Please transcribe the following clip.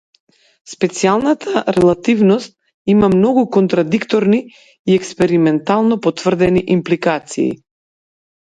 Специјалната релативност има многу контрадикторни и експериментално потврдени импликации.